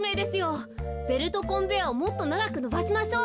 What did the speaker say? ベルトコンベヤーをもっとながくのばしましょう。